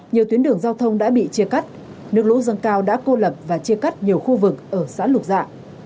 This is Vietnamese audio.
nhiều tuyến đường giao thông đã bị chia cắt nước lũ dâng cao đã cô lập và chia cắt nhiều khu vực ở xã lục dạ